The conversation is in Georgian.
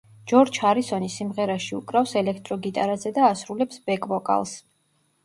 ჯორჯ ჰარისონი სიმღერაში უკრავს ელექტრო გიტარაზე და ასრულებს ბეკ-ვოკალს.